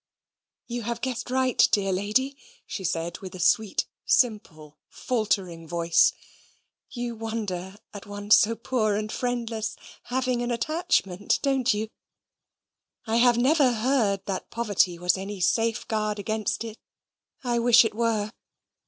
"You have guessed right, dear lady," she said, with a sweet simple faltering voice. "You wonder at one so poor and friendless having an attachment, don't you? I have never heard that poverty was any safeguard against it. I wish it were."